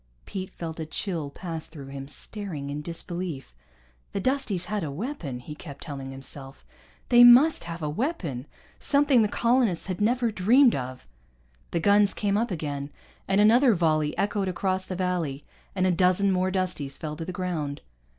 Pete felt a chill pass through him, staring in disbelief. The Dusties had a weapon, he kept telling himself, they must have a weapon, something the colonists had never dreamed of. The guns came up again, and another volley echoed across the valley, and a dozen more Dusties fell to the ground.